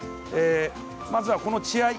まずは、この血合い。